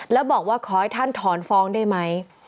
แล้วบอกว่าขอให้ท่านถอนฟ้องได้ไหม